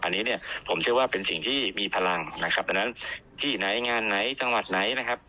อันนี้เนี่ยผมเชื่อว่าเป็นสิ่งที่มีพลังนะครับอันนั้นที่ไหนงานไหนจังหวัดไหนนะครับ